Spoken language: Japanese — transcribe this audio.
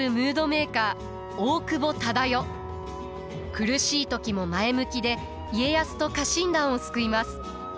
苦しい時も前向きで家康と家臣団を救います。